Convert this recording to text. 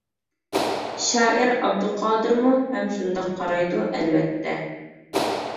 شائىر ئابدۇقادىرمۇ ھەم شۇنداق قارايدۇ، ئەلۋەتتە.